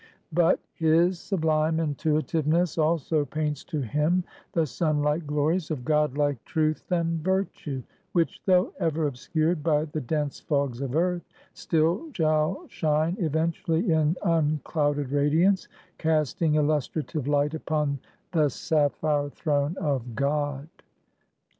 But his sublime intuitiveness also paints to him the sun like glories of god like truth and virtue; which though ever obscured by the dense fogs of earth, still shall shine eventually in unclouded radiance, casting illustrative light upon the sapphire throne of God.